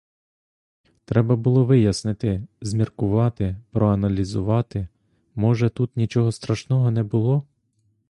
Треба було вияснити, зміркувати, проаналізувати, — може, тут нічого страшного не було?